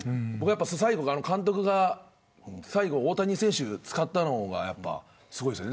最後、監督が大谷選手を使ったのがすごいですよね。